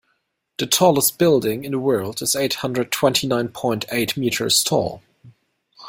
The tallest building in the world is eight hundred twenty nine point eight meters tall.